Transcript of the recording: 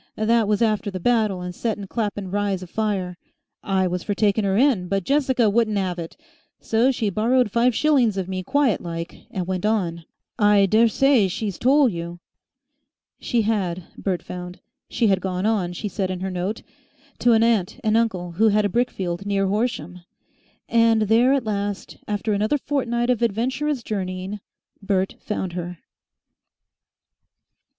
That was after the battle and settin' Clapham Rise afire. I was for takin' 'er in, but Jessica wouldn't 'ave it and so she borrowed five shillings of me quiet like and went on. I dessay she's tole you " She had, Bert found. She had gone on, she said in her note, to an aunt and uncle who had a brickfield near Horsham. And there at last, after another fortnight of adventurous journeying, Bert found her.